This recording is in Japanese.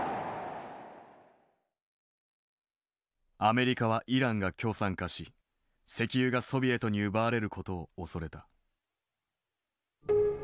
アメリカはイランが共産化し石油がソビエトに奪われる事を恐れた。